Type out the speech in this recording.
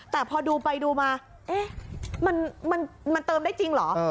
แต่พอดูไปดูมามันเติมได้จริงเหรอ